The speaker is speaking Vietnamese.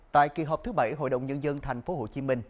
tại kỳ họp thứ bảy hội đồng nhân dân thành phố hồ chí minh